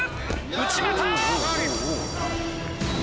内股！